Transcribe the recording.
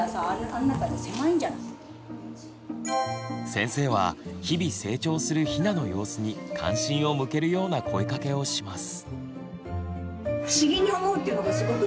先生は日々成長するヒナの様子に関心を向けるような声かけをします。